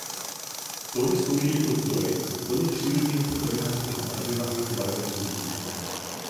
Plody slouží jako zdroj plně přírodního potravinářského barviva a k barvení vína.